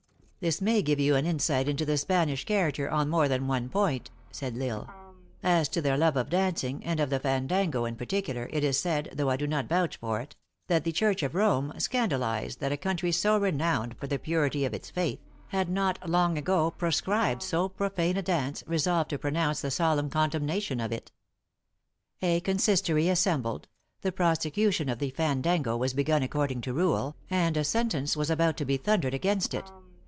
"This may give you an insight into the Spanish character on more than one point," said L lsle. " As to their love of dancing, and of the fandango in par ticular, it is said, though I do not vouch for it, that the Church of Rome, scandalized that a country so renowned for the purity of its faith, had not long ago proscribed so profane a dance, resolved to pronounce the solemn condemnation of it. A consistory as 300 THE ACTKESS IN HIGH LIFE. sembled ; the prosecution of the fandango was begun according to rule, and a sentence was about to be thundered against it.